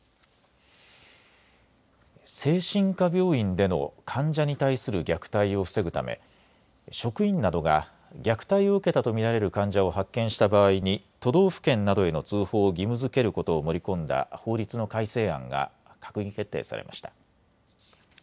精神科病院での患者に対する虐待を防ぐため職員などが虐待を受けたと見られる患者を発見した場合に都道府県などへの通報を義務づけることを盛り込んだ法律の改正案が閣議決定されました。